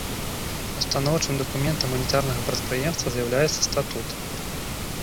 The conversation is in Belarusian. Устаноўчым дакументам ўнітарнага прадпрыемства з'яўляецца статут.